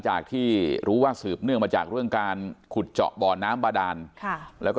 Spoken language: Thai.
จากที่รู้ว่าสืบเนื่องมาจากเรื่องการขุดเจาะบ่อน้ำบาดานแล้วก็